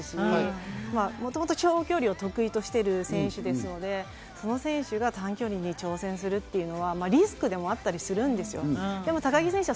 距離によって滑り方も違いますし、もともと長距離を得意としている選手ですので、その選手が短距離に挑戦するというのはリスクでもあったりするんです。